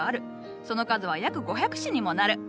その数は約５００種にもなる。